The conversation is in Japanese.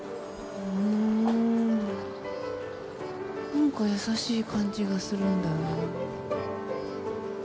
なんか優しい感じがするんだよな。